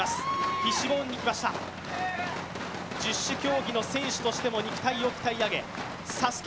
フィッシュボーンに来ました、十種競技の選手としても肉体を鍛え上げ、ＳＡＳＵＫＥ